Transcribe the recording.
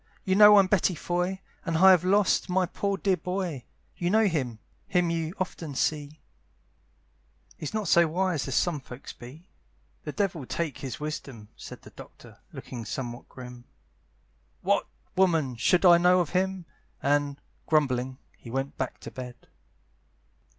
you know I'm Betty Foy, "And I have lost my poor dear boy, "You know him him you often see; "He's not so wise as some folks be," "The devil take his wisdom!" said The Doctor, looking somewhat grim, "What, woman! should I know of him?" And, grumbling, he went back to bed.